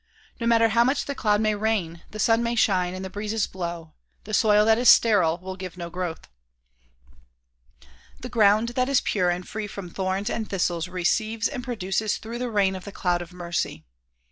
No matter how much the cloud may rain, the sun may shine and the breezes blow, the soil that is sterile will give no growth. The ground that is pure and free from thorns and thistles receives and pro duces through the rain of the cloud of mercy.